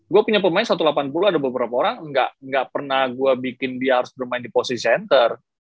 gue punya pemain satu ratus delapan puluh ada beberapa orang gak pernah gue bikin dia harus bermain di posisi center